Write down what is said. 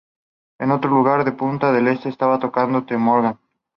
En otro lugar de Punta del Este estaba tocando The Morgan.